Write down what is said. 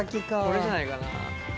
これじゃないかな。